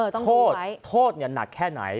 โทษโทษหนักแค่ไหน